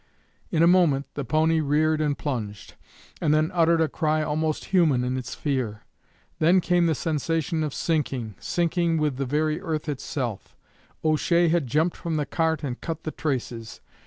In a moment the pony reared and plunged, and then uttered a cry almost human in its fear. Then came the sensation of sinking, sinking with the very earth itself. O'Shea had jumped from the cart and cut the traces.